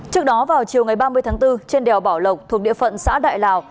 trước đó vào chiều ngày ba mươi tháng bốn trên đèo bảo lộc thuộc địa phận xã đại lào